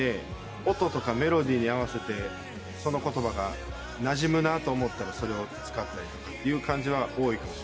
音とかメロディーに合わせてその言葉がなじむなと思ったらそれを使ったりとかって感じは多いかも。